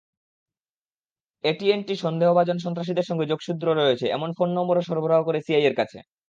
AT and T সন্দেহভাজন সন্ত্রাসীদের সঙ্গে যোগসূত্র রয়েছে—এমন ফোন নম্বরও সরবরাহ করে সিআইএর কাছে।